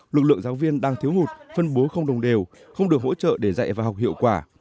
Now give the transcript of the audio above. lực lượng giáo viên đang thiếu hụt phân bố không đồng đều không được hỗ trợ để dạy và học hiệu quả